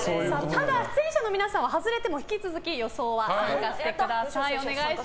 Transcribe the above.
ただ出演者の皆さんは外れても引き続き予想は参加してください。